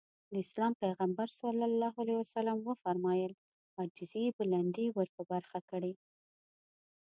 د اسلام پيغمبر ص وفرمايل عاجزي بلندي ورپه برخه کړي.